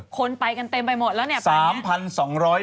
คนไปกันเต็มไปหมดแล้วเนี่ย